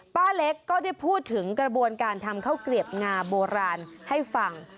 ป้าเล็กก็ได้พูดถึงกระบวนการทำข้าวเกลียบงาโบราณให้ฟัง